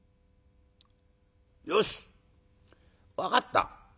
よし分かった。